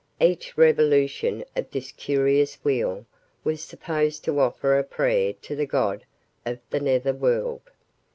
Each revolution of this curious wheel was supposed to offer a prayer to the god of the netherworld.